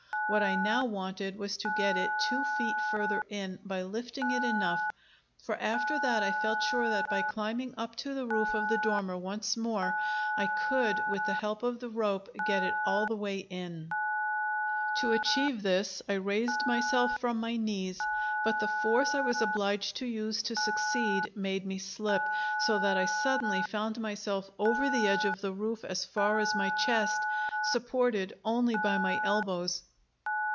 What I now wanted was to get it two feet further in, by lifting it enough; for after that I felt sure that by climbing up to the roof of the dormer once more, I could, with the help of the rope, get it all the way in. To achieve this I raised myself from my knees; but the force I was obliged to use to succeed made me slip, so that I suddenly found myself over the edge of the roof as far as my chest, supported only by my elbows.